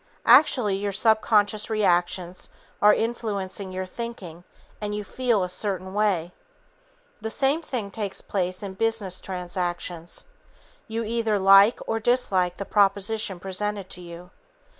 Actually, your subconscious reactions are influencing your thinking and you "feel" a certain way. The same thing takes place in business transactions. You either like or dislike the proposition presented to you.